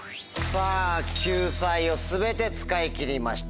さぁ救済を全て使い切りました